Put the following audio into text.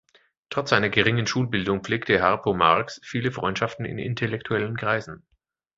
Trotz seiner geringen Schulbildung pflegte Harpo Marx viele Freundschaften in intellektuellen Kreisen.